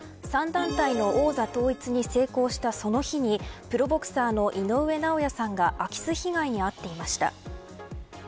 ３団体の王座統一に成功したその日にプロボクサーの井上尚弥さんが空き巣被害に遭っていました。